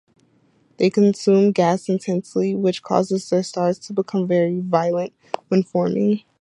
They consume gas intensely, which causes their stars to become very violent when forming.